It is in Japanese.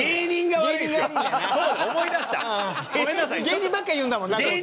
芸人ばっか言うんだもんなどうせ。